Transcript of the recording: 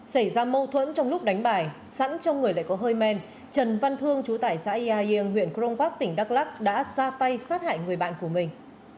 xảy ra mâu thuẫn trong lúc đánh bài sẵn trong người lại có hơi men trần văn thương chú tải xã yà yên huyện crong park tỉnh đắk lắc đã ra tay sát hại người bạn của mình